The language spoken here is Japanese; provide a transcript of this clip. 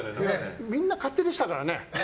みんな勝手でしたからね。